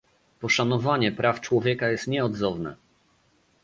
Poszanowanie praw człowieka jest nieodzowne